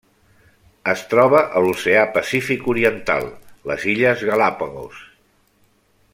Es troba a l'Oceà Pacífic oriental: les Illes Galápagos.